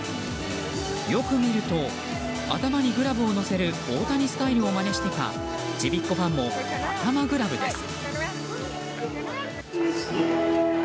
よく見ると、頭にグラブを乗せる大谷スタイルをまねしてか、ちびっ子ファンも頭グラブです。